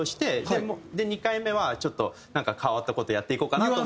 ２回目はちょっとなんか変わった事やっていこうかなと。